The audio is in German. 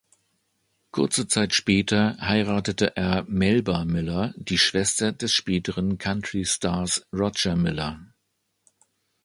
Kurze Zeit später heiratete er Melba Miller, die Schwester des späteren Countrystars Roger Miller.